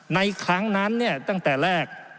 ในครั้งนั้นเนี่ยตั้งแต่แรก